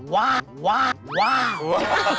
ว้าวว้าวว้าว